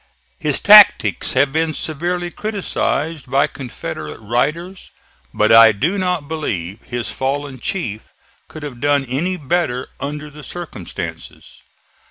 His tactics have been severely criticised by Confederate writers, but I do not believe his fallen chief could have done any better under the circumstances.